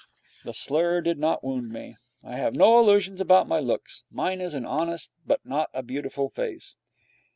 The slur did not wound me. I have no illusions about my looks. Mine is an honest, but not a beautiful, face.